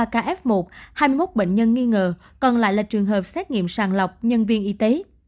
ba ca f một hai mươi một bệnh nhân nghi ngờ còn lại là trường hợp xét nghiệm sàng lọc nhân viên y tế